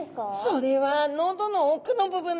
それは喉の奥の部分なんです。